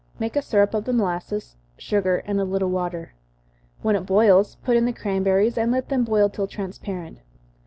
Make a syrup of the molasses, sugar, and a little water. When it boils, put in the cranberries, and let them boil till transparent.